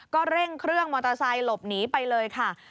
ก็เร่งเครื่องมอเตอร์ไซค์หลบหนีไปเลยค่ะ